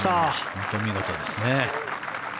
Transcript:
本当に見事ですね。